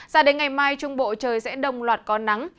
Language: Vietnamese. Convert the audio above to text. sao đến ngày mai trung bộ trời sẽ đồng loạt có nắng